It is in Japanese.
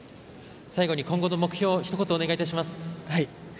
最後に、今後の目標をひと言、お願いします。